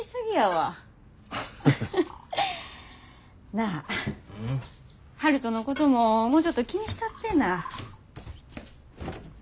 なあ悠人のことももうちょっと気にしたってぇな。